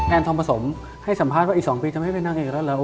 แอนทอดผสมให้สัมภาษณ์ว่าอีก๒ปีจะไม่ได้นั่งอีกแล้ว